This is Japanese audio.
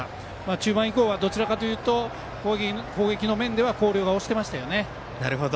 中盤以降はどちらかというと攻撃の面では広陵が押してましたよね。